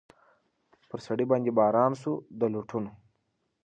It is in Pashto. پر سړي باندي باران سو د لوټونو